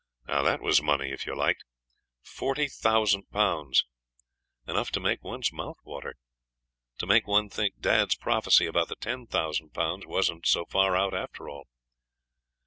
That was money if you liked forty thousand pounds! enough to make one's mouth water to make one think dad's prophecy about the ten thousand pounds wasn't so far out after all.